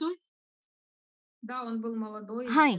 はい。